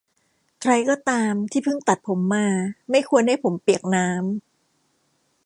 ใครก็ตามที่เพิ่งดัดผมมาไม่ควรให้ผมเปียกน้ำ